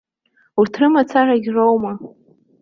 Урҭ рымацарагьы роума?